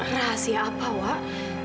rahasia apa wak